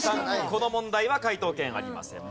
この問題は解答権ありません。